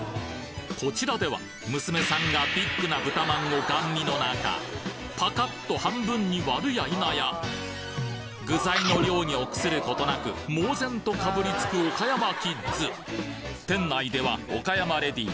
こちらでは娘さんがビッグな豚まんをガン見の中パカッと半分に割るや否や具材の量に臆することなく猛然とかぶりつく岡山キッズ店内では岡山レディー